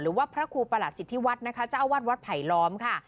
หรือว่าพระครูประหลักศิษย์ที่วัดนะคะเจ้าอาวาสวัดไผลล้อมค่ะ